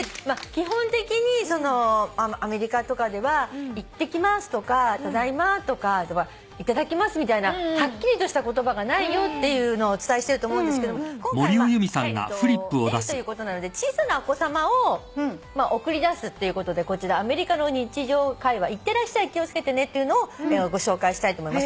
基本的にアメリカとかでは「いってきます」とか「ただいま」とか「いただきます」みたいなはっきりとした言葉がないよっていうのをお伝えしてると思うんですけど今回園ということなので小さなお子さまを送り出すっていうことでこちらアメリカの日常会話「行ってらっしゃい」「気をつけてね」というのをご紹介したいと思います。